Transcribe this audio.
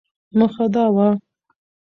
موخه دا وه ،